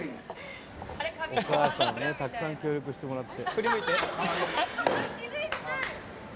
「お母さんねたくさん協力してもらって」